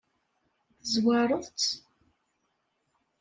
Tezwareḍ-tt?